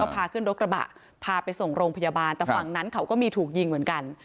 พาขึ้นรถกระบะพาไปส่งโรงพยาบาลแต่ฝั่งนั้นเขาก็มีถูกยิงเหมือนกัน